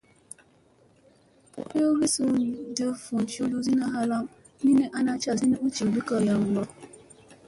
Boyogii suu ɗef vun jufyusina halaŋ min ni ana casi ni u jewɗek garyamma.